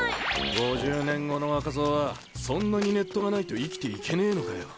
５０年後の若造はそんなにネットがないと生きていけねえのかよ。